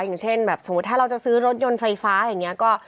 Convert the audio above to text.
อย่างเช่นแบบสมมุติถ้าเราจะซื้อรถยนต์ไฟฟ้าอย่างนี้ก็